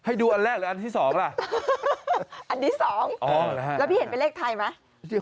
ดูอันแรกหรืออันที่๒ล่ะอันที่๒แล้วพี่เห็นเป็นเลขไทยไหม